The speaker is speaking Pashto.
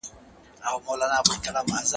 ستا پر تور تندي لیکلي کرښي وايي